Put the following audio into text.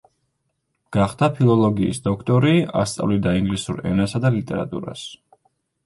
გახდა ფილოლოგიის დოქტორი, ასწავლიდა ინგლისურ ენასა და ლიტერატურას.